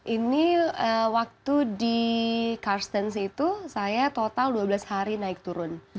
ini waktu di karstens itu saya total dua belas hari naik turun